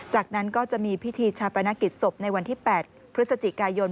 จากนั้นก็จะมีพิธีชาปนกิจศพในวันที่๘พฤศจิกายน